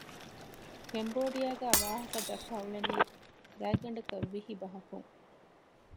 ކެމްބޯޑިއާގައި ވާހަކަ ދައްކަ އުޅެނީ ގާތްގަނޑަކަށް ވިހި ބަހަކުން